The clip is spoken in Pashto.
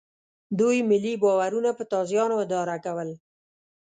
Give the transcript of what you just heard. دوی ملي باورونه په تازیانو اداره کول.